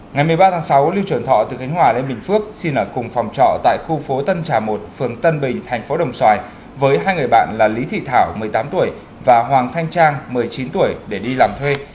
ngày một mươi ba tháng sáu lưu truyền thọ từ khánh hòa lên bình phước xin ở cùng phòng trọ tại khu phố tân trà một phường tân bình thành phố đồng xoài với hai người bạn là lý thị thảo một mươi tám tuổi và hoàng thanh trang một mươi chín tuổi để đi làm thuê